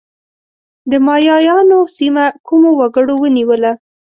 د مایایانو سیمه کومو وګړو ونیوله؟